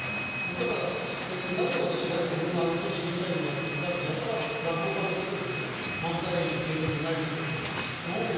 だからなぜ私がＭ−１の審査員をやってるかってやたら落語家のくせににね漫才の経験もないくせになんでやるんだって言うから。